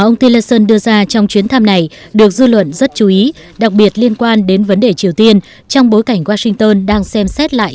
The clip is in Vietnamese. ngoại trưởng mỹ rick tillerson đã tới hàn quốc trong chuyến thăm hai ngày